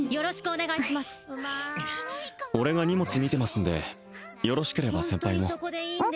うま俺が荷物見てますんでよろしければ先輩もうん？